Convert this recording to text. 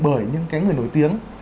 bởi những cái người nổi tiếng